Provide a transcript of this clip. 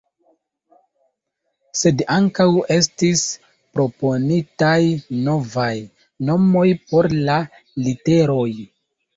Sed ankaŭ estis proponitaj novaj nomoj por la literoj.